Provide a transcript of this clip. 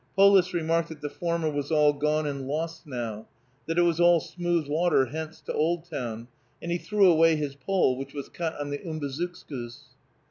Polis remarked that the former was all gone and lost now, that it was all smooth water hence to Oldtown, and he threw away his pole which was cut on the Umbazookskus.